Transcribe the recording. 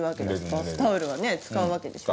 バスタオルはね使うわけでしょ？